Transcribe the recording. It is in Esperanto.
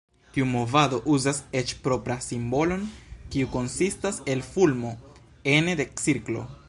Tiu movado uzas eĉ propran simbolon, kiu konsistas el fulmo ene de cirklo.